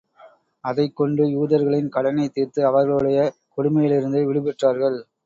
அதைக் கொண்டு யூதர்களின் கடனைத் தீர்த்து, அவர்களுடைய கொடுமையிலிருந்து விடுபெற்றார்கள்.